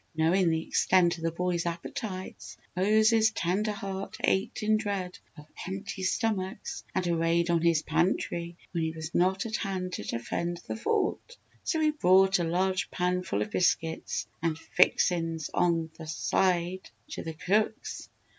Knowing the extent of the boys' appetites, Mose's tender heart ached in dread of empty stomachs and a raid on his pantry when he was not at hand to defend the fort! So he brought a large pan full of biscuits and "fixin's on th' side" to the cooks.